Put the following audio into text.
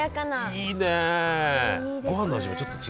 いいね。